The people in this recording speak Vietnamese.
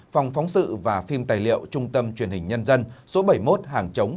phòng phóng sự và phim tài liệu trung tâm truyền hình nhân dân số bảy mươi một hàng chống